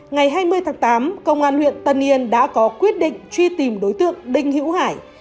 ngày hai mươi tháng tám công an huyện tân yên đã có quyết định truy tìm đối tượng đinh hữu hải